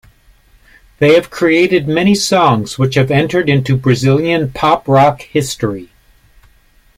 They have created many songs which have entered into Brazilian pop-rock history.